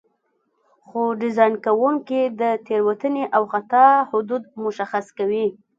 خو ډیزاین کوونکي د تېروتنې او خطا حدود مشخص کوي.